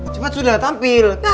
cuma sudah tampil